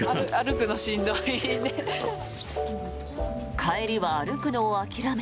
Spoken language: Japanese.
帰りは歩くのを諦め